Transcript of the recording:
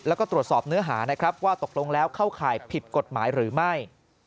แล้วก็ตรวจสอบเนื้อหานะครับว่าตกลงแล้วเข้าข่ายผิดกฎหมายหรือไม่